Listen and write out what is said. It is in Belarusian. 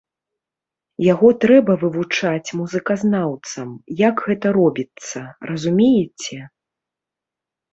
Яго трэба вывучаць музыказнаўцам, як гэта робіцца, разумееце?